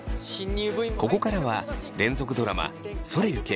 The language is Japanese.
ここからは連続ドラマ「それゆけ！